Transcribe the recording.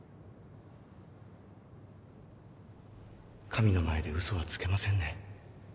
神の前で嘘はつけませんね。